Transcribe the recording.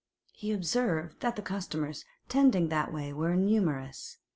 He observed that the customers tending that way were numerous.